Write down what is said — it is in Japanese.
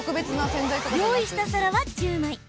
用意した皿は１０枚。